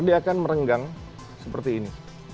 dia akan merenggang seperti ini